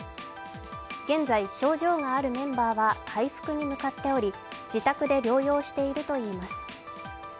現在、症状があるメンバーは回復に向かっており、自宅で療養しているといいます。